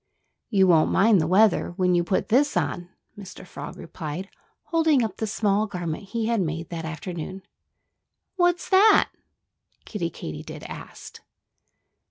"You won't mind the weather when you put this on," Mr. Frog replied, holding up the small garment he had made that afternoon. "What's that?" Kiddie Katydid asked.